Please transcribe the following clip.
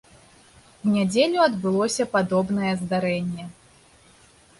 У нядзелю адбылося падобнае здарэнне.